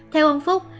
theo ông phúc